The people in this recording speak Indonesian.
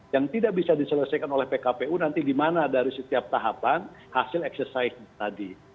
yang tidak bisa diselesaikan oleh pkpu nanti di mana dari setiap tahapan hasil exercise tadi